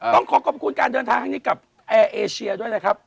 ต้องขอขอบคุณการเดินทางครั้งนี้กับแอร์เอเชียด้วยนะครับ